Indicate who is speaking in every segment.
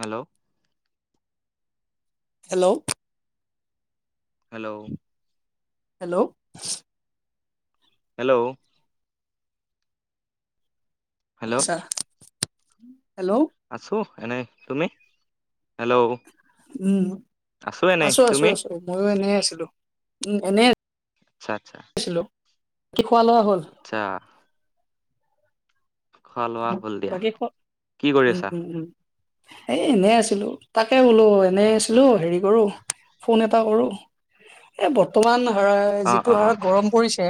Speaker 1: Hello.
Speaker 2: Hello.
Speaker 1: Hello.
Speaker 2: Hello.
Speaker 1: Hello. Hello.
Speaker 2: উম।
Speaker 1: আছো এনেই। তুমি? হেল্ল'
Speaker 2: উম,
Speaker 1: এনেই
Speaker 2: আছো, আছো
Speaker 1: তুমি
Speaker 2: আছো মইয়ো এনে আছিলো উম এনে।
Speaker 1: আচ্ছা, আচ্ছা।
Speaker 2: কি খোৱা লোৱা হ'ল?
Speaker 1: আচ্ছা খোৱা লোৱা হ'ল দিয়া
Speaker 2: বাকী খ
Speaker 1: কি কৰি
Speaker 2: উম
Speaker 1: আছা
Speaker 2: উম উম এ এনেই আছিলো তাকে বোলো এনে আছিলো হেৰি কৰো ফোন এটা কৰো এ বৰ্তমান
Speaker 1: অ
Speaker 2: যিটো
Speaker 1: অ
Speaker 2: হাৰত গৰম পৰিছে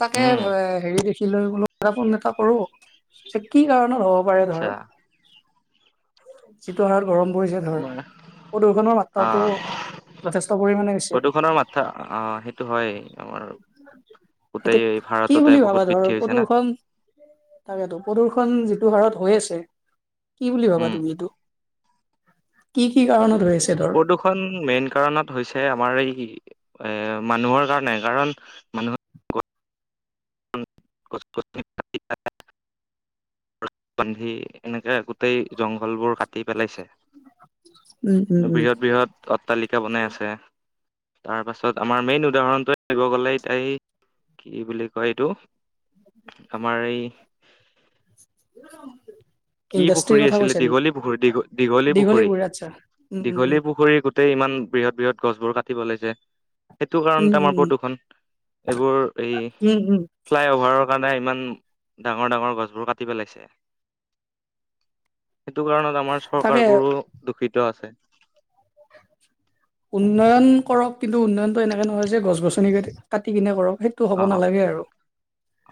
Speaker 2: তাকে
Speaker 1: উম
Speaker 2: হেৰি কি লৈ বলো এটা ফোন এটা কৰো যে কি কাৰণত হ'ব পাৰে
Speaker 1: আচ্ছা
Speaker 2: ধৰ যিটো হাৰত গৰম পৰিছে ধৰ
Speaker 1: আমাৰ
Speaker 2: প্ৰদূষণৰ মাত্ৰাটো যথেষ্ট পৰিমাণে হৈছে
Speaker 1: প্ৰদূৰষণৰ মাত্ৰা আহ সেইটো হয় আমাৰ গোটেই
Speaker 2: এতিয়া কি
Speaker 1: ভাৰততে
Speaker 2: বুলি
Speaker 1: বহুত
Speaker 2: ভাৱা ধৰ
Speaker 1: বৃদ্ধি হৈছে না
Speaker 2: প্ৰদূৰ্ষন তাকেতো প্ৰদূ্ষন যিটো হাৰত হৈ আছে কি বুলি ভাৱা
Speaker 1: উম
Speaker 2: তুমি এইটো কি কি কাৰণত [unintelligible]
Speaker 1: প্ৰদূৰ্ষণ মেইন কাৰণত হৈছে আমাৰ এই এ মানুহৰ কাৰণে কাৰণ মানুহৰ [unintelligible] [unintelligible] বান্ধি এনেকে গোটেই জংঘলবোৰ কাটি পেলাইছে
Speaker 2: উম, উম, উম,
Speaker 1: বৃহৎ বৃহৎ অট্টালিকা বনাই আছে তাৰ পাছত আমাৰ মেইন উদাহৰণটোৱে দিব গ'লে এ ত এই কি বুলি কয় এইটো আমাৰ এই কি
Speaker 2: ইণ্ডাষ্ট্ৰীৰ
Speaker 1: পুখুৰী
Speaker 2: কথা
Speaker 1: আছিলে
Speaker 2: কৈছা নেকি?
Speaker 1: দীঘলী পুখুৰী দীঘ দীঘলী পুখুৰী
Speaker 2: আচ্ছা। উম, উম, উম,
Speaker 1: দীঘলী পুখুৰীৰ গোটই ইমান বৃহৎ বৃহৎ গছবোৰ কাটিব লৈছে সেইটো
Speaker 2: উম,
Speaker 1: কাৰণতে
Speaker 2: উম,
Speaker 1: আমাৰ
Speaker 2: উম,
Speaker 1: প্ৰদূষণ এইবোৰ এই
Speaker 2: উম, উম,
Speaker 1: ফ্লাইঅভাৰৰ নাই ইমান ডাঙৰ ডাঙৰ গছবোৰ কাটি পেলাইছে সেইটো কাৰণত আমাৰ চৰকাৰ
Speaker 2: তাকে
Speaker 1: বোৰো দূখিত আছে
Speaker 2: উন্নয়ন কৰক কিন্তু উন্নয়নতটো এনেকে নহয় যে গছ গছনি কাটি কিনে কৰক সেইটো হ'ব
Speaker 1: অ
Speaker 2: নালাগে আৰু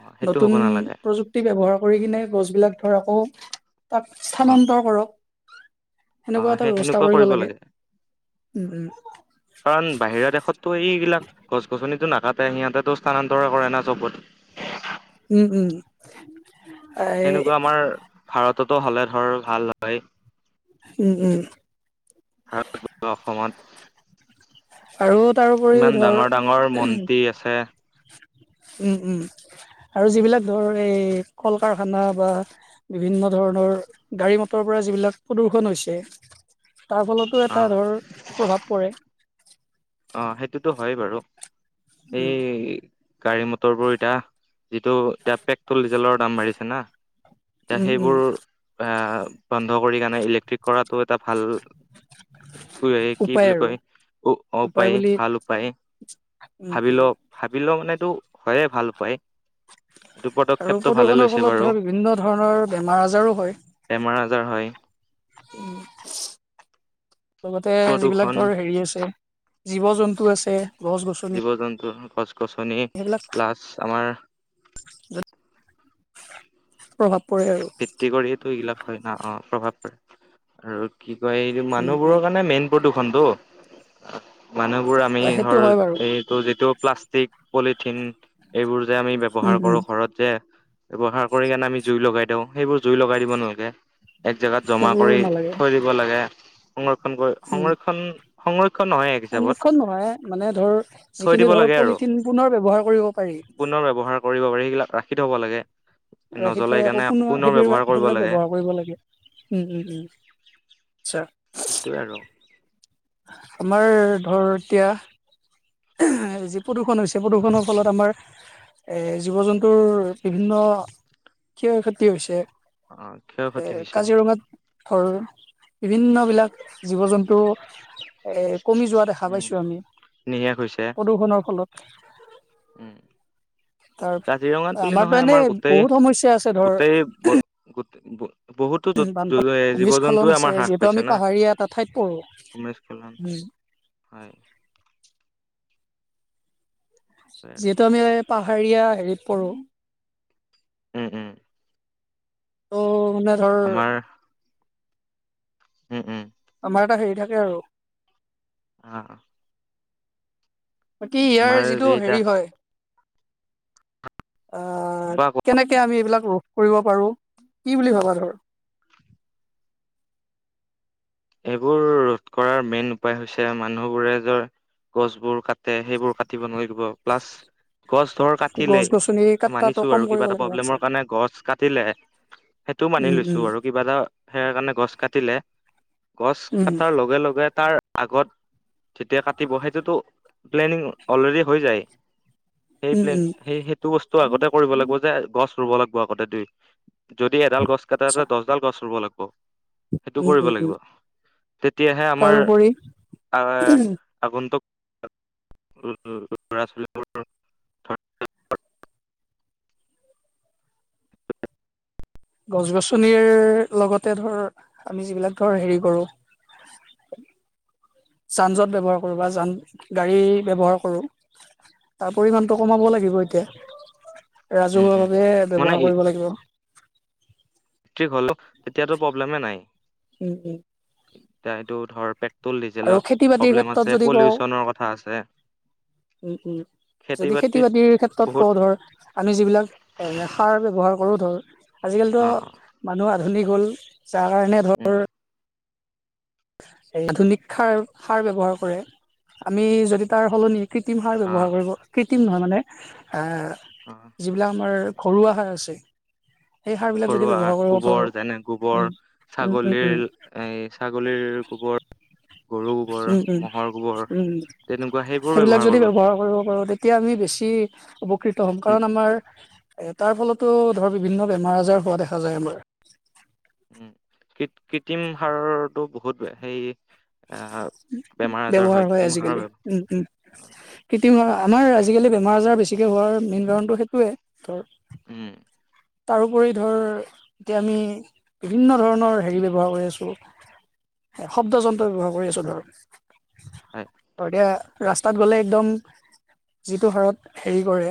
Speaker 1: অ সেইটো হ'ব
Speaker 2: নতুন
Speaker 1: নালাগে
Speaker 2: প্ৰযুক্তি ব্যৱহাৰ কৰি কিনে গছ বিলাক ধৰা তাক
Speaker 1: অ
Speaker 2: স্থানান্তৰ কৰক
Speaker 1: অ
Speaker 2: সেনেকুৱা এটা
Speaker 1: সেই
Speaker 2: ব্যৱস্থা
Speaker 1: হেনেকুৱা কৰিব লাগে
Speaker 2: উম, উম,
Speaker 1: কাৰণ বাহিৰা দেশতটো এইবিলাক গছ গছনিটো [unintelligible] তাতে সিহঁতে স্থানান্তৰে কৰে না চবত
Speaker 2: উম উম এই
Speaker 1: সেনেকুৱা আমাৰ ভাৰততো হ'লে ধৰ ভাল হয়।
Speaker 2: উম, উম,
Speaker 1: [unintelligible] অসমত।
Speaker 2: আৰু তাৰোপৰিও
Speaker 1: ইমান
Speaker 2: ধৰ
Speaker 1: ডাঙৰ ডাঙৰ মন্তী আছে।
Speaker 2: উম উম। আৰু যিবিলাক ধৰ এই, কল কাৰখানা বা বিভিন্ন ধৰণৰ গাড়ী মটৰ পৰা যিবিলাক প্ৰদূ্ষন হৈছে, তাৰ ফলতো
Speaker 1: অ
Speaker 2: এটা ধৰ প্ৰভাৱ পৰে।
Speaker 1: অ', সেইটোতো হয় বাৰু,
Speaker 2: উম
Speaker 1: এই গাড়ী মটৰ বোৰ এতিয়া যিটো এতিয়া পেট্ৰল ডিজেলৰ দাম বাঢ়িছে না, এতিয়া
Speaker 2: উম উম
Speaker 1: সেইবোৰ আ বন্ধ কৰি কাৰনে ইলেক্ট্ৰিক কৰাটো এটা ভাল কি
Speaker 2: উপায়
Speaker 1: বুলি
Speaker 2: আৰু
Speaker 1: কয় [unintelligible] উপায় ভাল উপায়,
Speaker 2: উম
Speaker 1: ভাবি
Speaker 2: উম
Speaker 1: লওক ভাবি লও মানে এইটো হয়ে ভাল উপায়। এইটো
Speaker 2: আৰু
Speaker 1: পদক্ষেপটো ভালে
Speaker 2: প্ৰদূষণৰ
Speaker 1: লৈছে
Speaker 2: ফলত
Speaker 1: বাৰু
Speaker 2: ধৰ বিভিন্ন ধৰণৰ বেমাৰ আজাৰো হয়।
Speaker 1: [unintelligible]
Speaker 2: উম, লগতে যিবিলাক
Speaker 1: প্ৰদূষণ
Speaker 2: ধৰ হেৰি আছে জীৱ-জন্তু আছে। গছ গছনি
Speaker 1: জীৱ-জন্তু, গছ-গছনি
Speaker 2: সেইবিলাক
Speaker 1: প্লাজ আমাৰ
Speaker 2: [unintelligible] প্ৰভাৱ পৰে আৰু
Speaker 1: ভিত্তি কৰিয়েই টো এইগিলাক হয় না অ', প্ৰভাৱ পৰে আৰু কি কয় এই
Speaker 2: উম উম
Speaker 1: মানুহবোৰৰ কাৰণে মেইন প্ৰদূ্ষনটো মানুহবোৰ আমি
Speaker 2: সেইটো
Speaker 1: ধৰ,
Speaker 2: হয় বাৰু
Speaker 1: এইটো যিটো প্লাষ্টিক পলিথিন এইবোৰ যে আমি
Speaker 2: উম
Speaker 1: ব্যৱহাৰ
Speaker 2: উম
Speaker 1: কৰো ঘৰত যে, ব্যৱহাৰ কৰি কেনে আমি জুই লগাই দিওঁ। সেইবোৰ জুই লগাই দিব নালাগে, এক জেগাত জমা
Speaker 2: সেইবোৰ
Speaker 1: কৰি
Speaker 2: নালাগে
Speaker 1: থৈ দিব লাগে। সংৰক্ষণ কৰে,
Speaker 2: উম
Speaker 1: সংৰক্ষণ-সংৰ
Speaker 2: সংৰক্ষণ নহয় মানে ধৰ,
Speaker 1: থৈ দিব
Speaker 2: যিখিনি ধৰ
Speaker 1: লাগে আৰু
Speaker 2: পলিথিন পুনৰ ব্যৱহাৰ কৰিব পাৰি
Speaker 1: পুনৰ ব্যৱহাৰ কৰিব পাৰি সেইগিলাক ৰাখি থ'ব লাগে,
Speaker 2: ৰাখি
Speaker 1: নজ্বলাই কেনে
Speaker 2: [unintelligible] সেইবিলাক ব্যবহাৰ কৰিব লাগে, উম, উম, উম, আচ্ছা।
Speaker 1: সেইটোৱে আৰু।
Speaker 2: আমাৰ ধৰ এতিয়া [unintelligible] যি প্ৰদূষণ হৈছে প্ৰদূষণৰ ফলত আমাৰ এ জীৱ জন্তুৰ বিভিন্ন, ক্ষয় ক্ষতি হৈছে।
Speaker 1: অ ক্ষয় ক্ষতি
Speaker 2: এ
Speaker 1: হৈছে
Speaker 2: কাজিৰঙাত সৰু, বিভিন্ন বিলাক জীৱ জন্তু এ কমি যোৱা দেখা
Speaker 1: উম
Speaker 2: পাইছো আমি,
Speaker 1: নিশেষ হৈছে
Speaker 2: প্ৰদূষণৰ ফলত।
Speaker 1: উম।
Speaker 2: তাৰ
Speaker 1: কাজিৰঙাত বুলি
Speaker 2: আমাৰতো
Speaker 1: নহয়
Speaker 2: এনে
Speaker 1: আমাৰ
Speaker 2: বহুত সমস্যা আছে ধৰ
Speaker 1: গোটেই-গোটেই [unintelligible] বহুতো
Speaker 2: বানপান
Speaker 1: জীৱ
Speaker 2: ভূমিস্খলন
Speaker 1: জন্তুৱে
Speaker 2: আছে
Speaker 1: আমাৰ হ্ৰাস
Speaker 2: যিহেতু আমি
Speaker 1: পাইছে না।
Speaker 2: পাহাৰীয়া এটা ঠাইত পৰো
Speaker 1: উমেশ কল্যাণ,
Speaker 2: উম
Speaker 1: হয়। আৰু
Speaker 2: যিহেতু আমি এই পাহাৰীয়া হেৰিত পৰো।
Speaker 1: উম উম।
Speaker 2: ত' মানে ধৰ
Speaker 1: আমাৰ উম উম।
Speaker 2: আমাৰ এটা হেৰি থাকে আৰু।
Speaker 1: আহ।
Speaker 2: বাকী ইয়াৰ যিটো
Speaker 1: যি এতিয়া
Speaker 2: হেৰি হয় অ',
Speaker 1: কোৱা
Speaker 2: কেনেকে আমি এইবিলাক ৰোধ কৰিব পাৰো, কি বুলি ভাবা [unintelligible] [unintelligible]
Speaker 1: এইবোৰ ৰোধ কৰাৰ মেইন উপায় হৈছে মানুহবোৰে জয় গছবোৰ কাটে সেইবোৰ কাটিব নোৱাৰিব প্লাছ গছ ধৰ
Speaker 2: গছ
Speaker 1: কাটিলেই,
Speaker 2: গছনি কাটাটো
Speaker 1: মানিছো
Speaker 2: কম
Speaker 1: আৰু
Speaker 2: কৰিব
Speaker 1: কিবা এটা
Speaker 2: লাগিব আচ্ছা
Speaker 1: প্ৰব্লেমৰ কাৰণে গছ কাটিলে সেইটোও
Speaker 2: উম
Speaker 1: মানি
Speaker 2: উম
Speaker 1: লৈছো আৰু কিবা এটা হেয়াৰ কাৰণে গছ কাটিলে গছ
Speaker 2: উম
Speaker 1: কটাৰ লগে লগে তাৰ আগত যেতিয়া কাটিব সেইটোতো প্লেনিং অলৰেডি হৈ যায়। সেই
Speaker 2: উম
Speaker 1: প্লেন
Speaker 2: উম
Speaker 1: সেই সেইটো বস্তু আগতে কৰিব লাগিব যে গছ ৰুব লাগিব আগতে দুই যদি এডাল গছ কাটে
Speaker 2: আচ্ছা
Speaker 1: তাত দছডাল গছ ৰুব লগব সেইটো
Speaker 2: উম
Speaker 1: কৰিব
Speaker 2: উম উম
Speaker 1: লাগিব। তেতিয়াহে আমাৰ
Speaker 2: তাৰোপৰি
Speaker 1: আহ আগ তোক ল'ৰা ছোৱালীবোৰ [unintelligible]
Speaker 2: গছ গছনিৰ লগতে ধৰ আমি যিবিলাক ধৰ হেৰি কৰো [unintelligible] যান জঁট ব্যৱহাৰ কৰোঁ বা যান গাড়ী ব্যৱহাৰ কৰোঁ। তাৰ পৰিমানটো কমাব লাগিব এতিয়া।
Speaker 1: উম,
Speaker 2: ৰাজহুৱা
Speaker 1: উম,
Speaker 2: বাবে
Speaker 1: মানে
Speaker 2: ব্যৱহাৰ কৰিব লাগিব।
Speaker 1: থিক হলেও তেতিয়াতো প্ৰব্লেমে নাই।
Speaker 2: উম উম
Speaker 1: এতিয়া এইটো ধৰ পেট্ৰল
Speaker 2: আৰু খেতি
Speaker 1: ডিজেলত
Speaker 2: বাতিৰ
Speaker 1: প্ৰব্লেম
Speaker 2: ক্ষেত্ৰত
Speaker 1: আছে
Speaker 2: যদি কওঁ
Speaker 1: পলিউচনৰ কথা আছে।
Speaker 2: উম উম যদি খেতি বাতিৰ ক্ষেত্ৰত
Speaker 1: বহুত
Speaker 2: কওঁ ধৰ আমি যিবিলাক এ সাৰ ব্যৱহাৰ কৰো ধৰ আজিকালিতো
Speaker 1: অ', অ',
Speaker 2: মানুহ আধুনিক হ'ল যাৰ কাৰণে
Speaker 1: উম,
Speaker 2: ধৰ এই আধুনিক সাৰ সাৰ ব্যৱহাৰ কৰে আমি যদি তাৰ সলনি কৃত্ৰিম সাৰ ব্যৱহাৰ
Speaker 1: অ',
Speaker 2: কৰিব কৃত্ৰিম নহয় মানে
Speaker 1: অ',
Speaker 2: যিবিলাক আমাৰ ঘৰুৱা হাঁহ আছে। সেই সাৰ বিলাক যদি
Speaker 1: ঘৰুৱা
Speaker 2: ব্যৱহাৰ কৰিব পাৰো
Speaker 1: গোবৰ যেনে গোবৰ
Speaker 2: উম। উম, উম, উম,
Speaker 1: ছাগলীৰ এ ছাগলীৰ গোবৰ। গৰু গোবৰ,
Speaker 2: উম উম
Speaker 1: ম'হৰ গোবৰ
Speaker 2: উম।
Speaker 1: তেনেকুৱা সেইবোৰ
Speaker 2: সেইবিলাক যদি
Speaker 1: কৰিব লাগে।
Speaker 2: ব্যৱহাৰ কৰিব পাৰোঁ তেতিয়া আমি বেছি উপকৃত হ'ম
Speaker 1: উম,
Speaker 2: কাৰণ আমাৰ। এ তাৰ ফলতো ধৰ বিভিন্ন বেমাৰ আজাৰ হোৱা দেখা যায় আমাৰ।
Speaker 1: কৃ কৃত্ৰিম সাৰটো বহুত বেয়া সেই আহ বেমাৰ আজাৰ
Speaker 2: ব্যৱহাৰ হয়
Speaker 1: কৃত্ৰিম সাৰৰ
Speaker 2: আজিকালি
Speaker 1: ব্যৱহাৰ
Speaker 2: উম উ কৃতিম হাৰ আমাৰ আজিকালি বেমাৰ আজাৰ বেছিকৈ হোৱাৰ মেইন কাৰণটো সেইটোৱেই ধৰ।
Speaker 1: উম।
Speaker 2: তাৰোপৰি ধৰ এতিয়া আমি বিভিন্ন ধৰণৰ হেৰি ব্যৱহাৰ কৰি আছোঁ। শব্দ যন্ত্ৰ ব্যৱহাৰ কৰি আছো ধৰ
Speaker 1: হয়।
Speaker 2: আৰু এতিয়া। ৰাস্তাত গ'লে একদম যিটো হাৰত হেৰি কৰে।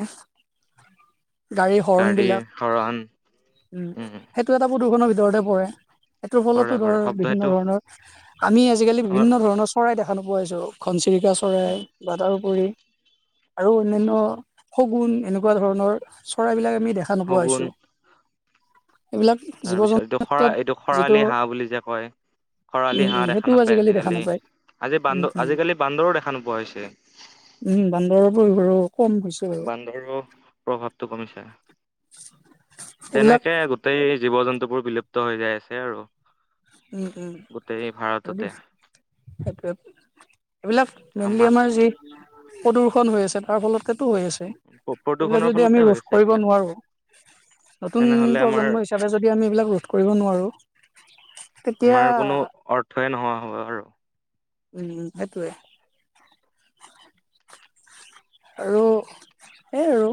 Speaker 2: গাড়ীৰ হৰ্ণ বিলাক উম
Speaker 1: উম
Speaker 2: সেইটো এটা প্ৰদূষণৰ ভিতৰতে পৰে। সেটোৰ
Speaker 1: পৰে
Speaker 2: ফলতো
Speaker 1: পৰে
Speaker 2: ধৰ
Speaker 1: শব্দ
Speaker 2: বিভিন্ন
Speaker 1: সেইটো
Speaker 2: ধৰণৰ আমি আজিকালি
Speaker 1: আমাৰ
Speaker 2: বিভিন্ন ধৰণৰ চৰাই দেখা নোপোৱা হৈছো। ঘনচিৰিকা চৰাই
Speaker 1: উম
Speaker 2: বা তাৰোপৰি। আৰু অন্যানয় শগুন এনেকুৱা ধৰণৰ চৰাইবিলাক আমি দেখা নোপোৱা হৈছো
Speaker 1: হগুন।
Speaker 2: এইবিলাক জীৱ
Speaker 1: তাৰপিছত
Speaker 2: জন্তুৰ
Speaker 1: এইটো খৰা
Speaker 2: ক্ষেত্ৰত
Speaker 1: এইটো
Speaker 2: যিটো
Speaker 1: খৰালি হাঁহ বুলি যে কয়।
Speaker 2: উম
Speaker 1: খৰালি
Speaker 2: উম
Speaker 1: হাঁহ দেখা
Speaker 2: সেইটোও
Speaker 1: নাপায়
Speaker 2: দেখা
Speaker 1: আজিকালি
Speaker 2: নাপায়
Speaker 1: আজি
Speaker 2: উম
Speaker 1: বান্দৰ
Speaker 2: উম
Speaker 1: আজিকালি বান্দৰো দেখা নোপোৱা হৈছে।
Speaker 2: উম বান্দৰ পৰিব আৰু।
Speaker 1: বান্দৰো প্ৰভাৱটো কমিছে।
Speaker 2: এইবিলাক
Speaker 1: তেনেকে গোটেই জীৱ জন্তুবোৰ বিলুপ্ত হৈ যাই আছে আৰু
Speaker 2: উম উম
Speaker 1: গোটেই
Speaker 2: যদি
Speaker 1: ভাৰততে।
Speaker 2: সেইটোৱে এইবিলাক
Speaker 1: এতিয়া
Speaker 2: মেইনলি
Speaker 1: মাছ
Speaker 2: আমাৰ যি প্ৰদূৰ্ষন হৈ আছে তাৰ ফলতে হৈ আছে এইবিলাক
Speaker 1: প্ৰদূষণৰ
Speaker 2: যদি
Speaker 1: ফলতে
Speaker 2: আমি
Speaker 1: হৈ
Speaker 2: ৰোধ
Speaker 1: আছে
Speaker 2: কৰিব
Speaker 1: এইগিলাক
Speaker 2: নোৱাৰো নতুন
Speaker 1: তেনেহলে আমাৰ
Speaker 2: প্ৰজন্ম হিচাপে যদি আমি এইবিলাক ৰোধ কৰিব নোৱাৰো তেতিয়া
Speaker 1: আমাৰ কোনো অৰ্থই নোহোৱা হ'ব আৰু।
Speaker 2: উম সেইটোৱে। আৰু সেই আৰু।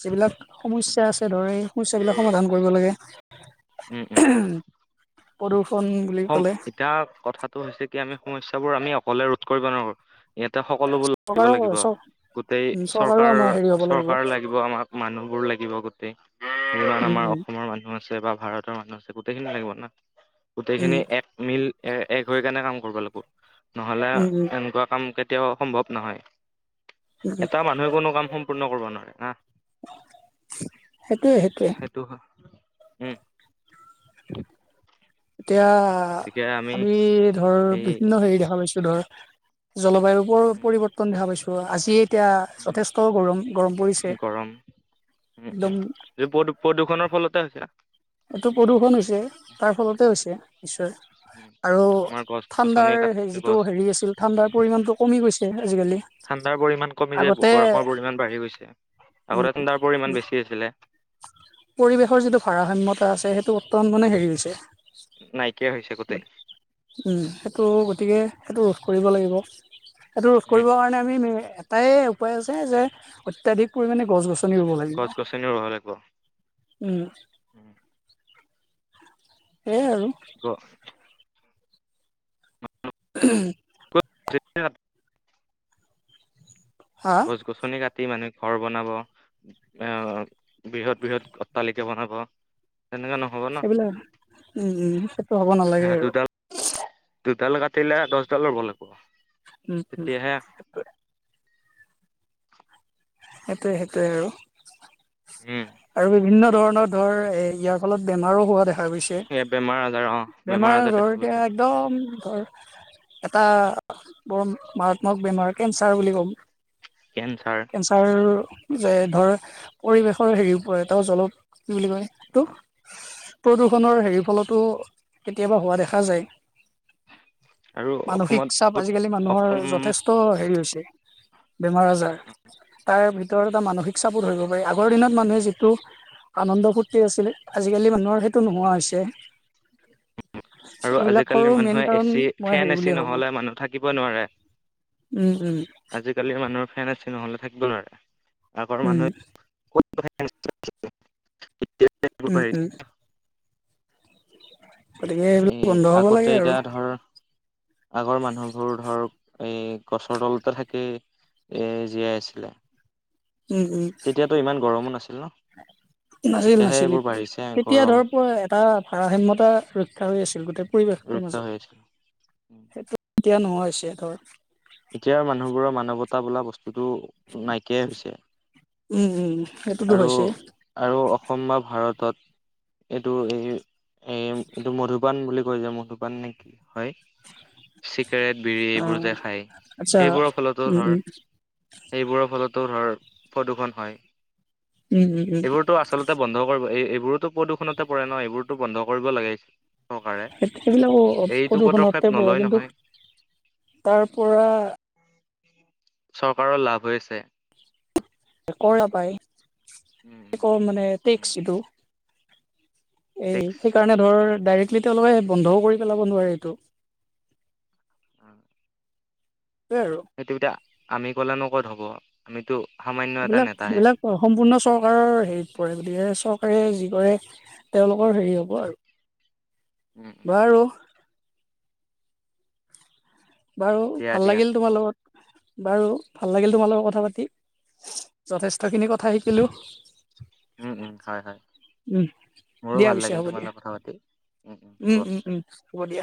Speaker 2: যিবিলাক সমস্যা আছে ধৰ সুছ সমস্যাবিলাক সমাধান কৰিব লাগে।
Speaker 1: উম উম
Speaker 2: পদুষ।
Speaker 1: [inaudible] এতিয়া কথাটো হৈছে কি আমি সমস্যাবোৰ আমি অকলে ৰোধ কৰিব নোৱাৰো ইয়াত। এতিয়া সকলোবো লাগিব
Speaker 2: চৰকাৰৰ
Speaker 1: লাগিব। গোটেই
Speaker 2: চৰকাৰো
Speaker 1: চৰকাৰ
Speaker 2: আমাৰ হেৰি হ'ব
Speaker 1: চৰকাৰ লাগিব আমাক মানুহবোৰ লাগিব গ। তে যিমান
Speaker 2: উম,
Speaker 1: আমাৰ
Speaker 2: উম,
Speaker 1: অসমৰ মানুহ আছে বা ভাৰতৰ মানুহ আছে গোটেইখিনি লাগিব না।
Speaker 2: উম,
Speaker 1: গোটেইখিনি এক মিল এক হৈ কেনে কাম কৰিব লাগিব নহ'লে
Speaker 2: উম, উম,
Speaker 1: এনেকুৱা কাম। এতিয়াও সম্ভৱ নহয় এটা মানুহে কোনো কাম সম্পূৰ্ণ কৰিব নোৱাৰে হা।
Speaker 2: সেইটোৱে সেইটোৱে।
Speaker 1: সেইটো হয় উম।
Speaker 2: এতিয়া আমি ধৰ
Speaker 1: এই
Speaker 2: বিভিন্ন হেৰি দেখা পাইছো ধৰ। জলবায়ুৰৰ
Speaker 1: উম
Speaker 2: পৰিৱৰ্তন দেখা পাইছো আজি। এতিয়া
Speaker 1: উম
Speaker 2: যথেষ্ট গৰম গৰম পৰিছে।
Speaker 1: গৰম উম
Speaker 2: একদম
Speaker 1: উমদ প্ৰদূষণৰ ফলতে আ হৈছে।
Speaker 2: এইটো প্ৰদূষণ হৈছে তাৰ ফলতে হৈছে নিশ্চয়।
Speaker 1: উম
Speaker 2: আৰু
Speaker 1: আমাৰ গছ গছনি
Speaker 2: ঠাণ্ডাৰ
Speaker 1: কাটি
Speaker 2: যিটো
Speaker 1: গছ
Speaker 2: হেৰি আছিল ঠাণ্ডাৰ পৰিমাণটো কমি গৈছে আজিকাল।
Speaker 1: ঠাণ্ডাৰ পৰিমাণ কমি যায় গৰমৰ পৰিমাণ বাঢ়ি গৈছে।
Speaker 2: উম,
Speaker 1: আগতে তাৰ পৰিমান বেছি আছিলে।
Speaker 2: পৰিৱেশৰ যিটো ভাৰসাম্যতা আছে সেইটো উত্তম মানে হেৰি হৈছে।
Speaker 1: নাইকিয়া হৈছে গোটেই
Speaker 2: উম সেইটো গতিকে সেইটো। কৰিব লাগিব। সেইটো ৰোধ
Speaker 1: উম
Speaker 2: কৰিবৰ কাৰণে আমি এটাই উপায় আছে যে, অত্যাধিক পৰিমাণে গছ গছনি ৰুব লাগিব
Speaker 1: গছ গছনি ৰুব লাগিব।
Speaker 2: উম। সেইয়ে আৰু।
Speaker 1: গ [unintelligible]
Speaker 2: উম।
Speaker 1: যে [unintelligible]
Speaker 2: হা
Speaker 1: গছ গছনি কা - তি মানুহে ঘৰ বনাব, আহ বৃহৎ বৃহৎ অট্টালিকে বনাব। তেনেকে নহ'ব ন
Speaker 2: সেইবিলাক উম উম সেইটো হ'ব নালাগে আৰু।
Speaker 1: দুডাল দুডাল কাটিলে দহডালৰ গ'ল আকো।
Speaker 2: উম উম। সেইটোৱে সেইটোৱে আৰু।
Speaker 1: উম
Speaker 2: আৰু বিভিন্ন ধৰ এ ইয়াৰ ফলত বেমাৰো হোৱা দেখা - গৈছে।
Speaker 1: সেই বেমাৰ আজাৰ অ
Speaker 2: বেমাৰ আজাৰ
Speaker 1: দেখা
Speaker 2: এতি
Speaker 1: গৈছে
Speaker 2: একদম এটা বৰ মাৰাত্মক বেমাৰ কেঞ্চাৰ বুলি কম।
Speaker 1: কেঞ্চাৰ
Speaker 2: কেঞ্চাৰ যে ধৰ পৰিৱেশৰ হেৰিওৰে তেওঁ জলপ - কি বুলি কলে তোক, প্ৰদূষণৰ হেৰি ফলতো কেতিয়াবা হোৱা দেখা যায়।
Speaker 1: আৰু
Speaker 2: মানসিক
Speaker 1: অসমত
Speaker 2: চাপ
Speaker 1: বহুত
Speaker 2: আজিকালি মানুহৰ
Speaker 1: অসম
Speaker 2: যথেষ্ট হেৰি হৈছে। বেমাৰ আজাৰ, তাৰ ভিতৰত এটা মানসিক চাপত ধৰিব পাৰি। আগৰ দিনত মানুহে যি- টো আনন্দ ফূৰ্তি আছিল, আজিকালি মানুহৰ সেইটো নোহোৱা হৈছে।
Speaker 1: আৰু আজিকালিৰ
Speaker 2: এইবিলাকৰো মেইন
Speaker 1: মানুহে
Speaker 2: কাৰণ
Speaker 1: এচি
Speaker 2: মই
Speaker 1: ফেন
Speaker 2: হেৰি
Speaker 1: এচি
Speaker 2: বুলিয়ে ভাবোঁ।
Speaker 1: নহ'লে মানুহ থাকিব নোৱাৰে।
Speaker 2: উম উম।
Speaker 1: আজিকালিৰ মানুহৰ ফেন চেন নহ'লে থাকিব নোৱাৰে। আগৰ
Speaker 2: উম।
Speaker 1: মানুহে
Speaker 2: উম উম
Speaker 1: [unintelligible]
Speaker 2: গতিকে
Speaker 1: এ
Speaker 2: সেইবিলাক বন্ধ হ'ব লাগে
Speaker 1: আগতে
Speaker 2: আৰু
Speaker 1: এতিয়া ধৰ আগৰ মানুহবোৰ ধৰ এ গছৰ তলতে থাকেই, এ জীয়াই আছিলে।
Speaker 2: উম উম
Speaker 1: তেতিয়াতো ইমান গৰমো নাছিল ন?
Speaker 2: নাছিল
Speaker 1: এতিয়াহে
Speaker 2: নাছিল।
Speaker 1: এইবোৰ বাঢ়িছে
Speaker 2: তেতিয়া
Speaker 1: গৰম
Speaker 2: ধৰ প এটা ভাৰসাম্যতা ৰক্ষা হৈ আছিল, গোটেই পৰি-
Speaker 1: ৰক্ষা হৈ আছিল।
Speaker 2: সেইটো এতিয়া নোহোৱা হৈছে ধৰ।
Speaker 1: টো নাইকিয়াই হৈছে।
Speaker 2: উম উম। সেইটোতো
Speaker 1: আৰু
Speaker 2: হৈছে
Speaker 1: আৰু অসম বা ভাৰতত এইটো এই এ এইটো মধুপান বুলি কৈ যে মধুপান নেকি হয়, কেৰেট, বিৰি,
Speaker 2: অ
Speaker 1: এইবোৰ যে খায়,
Speaker 2: আচ্ছা
Speaker 1: সেইবোৰৰ ফলতো
Speaker 2: উম
Speaker 1: ধৰ
Speaker 2: উম
Speaker 1: সেইবোৰৰ ফলত ধৰ প্ৰদূষণ হয়।
Speaker 2: উম উম উম
Speaker 1: এইবোৰতো আচলতে বন্ধ কৰিব। এইবোৰতো প্ৰদূষণতে পৰে ন, এইবোৰতো বন্ধ কৰিব লাগে। চৰকাৰে
Speaker 2: সেইবিলাকো
Speaker 1: এইটো পদক্ষেপ
Speaker 2: প্ৰদূষণতে পৰে।
Speaker 1: নলয়
Speaker 2: কিন্তু
Speaker 1: নহয়
Speaker 2: তাৰ পৰা
Speaker 1: চৰকাৰৰ লাভ হৈ আছে।
Speaker 2: কৰ পাই,
Speaker 1: উম উম
Speaker 2: এ মানে
Speaker 1: উম
Speaker 2: টেক্স যিটো। এই
Speaker 1: টেক্স
Speaker 2: সেইকাৰণে ধৰ ডাইৰেক্টলি তেওঁলোকে বন্ধও কৰি পেলাব নোৱাৰে এইটো।
Speaker 1: অ।
Speaker 2: সেইটোৱে আৰু
Speaker 1: সেইটো এতিয়া আমি ক'লে নো ক'ত হ'ব। আমিতো সামান্য এটা
Speaker 2: এইবিলাক
Speaker 1: নেতাহে
Speaker 2: এইবিলাক সম্পূৰ্ণ চৰকাৰৰ হেৰিত পৰে গতিকে চৰকাৰে যি কৰে তেওঁলোকৰ হেৰি হ'ব
Speaker 1: উম
Speaker 2: আৰু
Speaker 1: উম
Speaker 2: বাৰু বাৰু
Speaker 1: দিয়া
Speaker 2: ভাল
Speaker 1: দিয়া
Speaker 2: লাগিল তোমাৰ লগত বাৰু ভাল লাগিল তোমাৰ লগত কথা পাতি। যথেষ্টখিনি কথা শিকিলোঁ।
Speaker 1: উম উম হয় হয়
Speaker 2: উম,
Speaker 1: মোৰো
Speaker 2: দিয়া
Speaker 1: ভাল
Speaker 2: পিছে
Speaker 1: লাগিল
Speaker 2: হ'ব
Speaker 1: তোমাল
Speaker 2: দিয়া
Speaker 1: লগত কথা পাতি উ উম হ'ব।
Speaker 2: উম হ'ব দিয়া